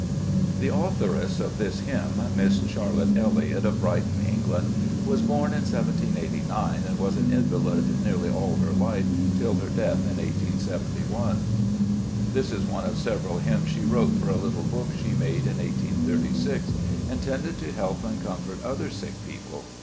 The authoress of this hymn, Miss Charlotte Elliott, of Brighton, England, was born in 1 789, and was an invalid nearly all her life till her death in 187 1. This is one of several hymns she wrote for a little book she made in 1836, intended to help and comfort other sick people.